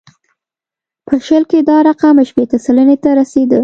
په شل کې دا رقم شپېته سلنې ته رسېده.